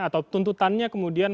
atau tuntutannya kemudian